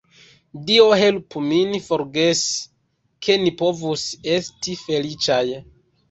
Dio helpu min forgesi, ke ni povus esti feliĉaj!